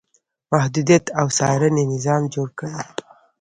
محدودیت او څارنې نظام جوړ کړي.